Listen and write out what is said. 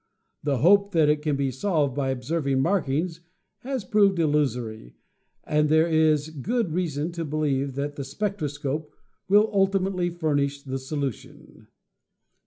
The hope that it can be solved by observing markings has proven illu sory, but there is good reason to believe that the spectro scope will ultimately furnish the solution.